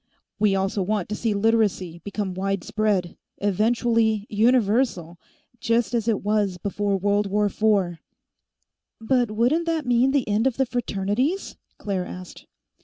We also want to see Literacy become widespread, eventually universal, just as it was before World War IV." "But Wouldn't that mean the end of the Fraternities?" Claire asked.